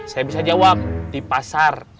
saya bisa jawab di pasar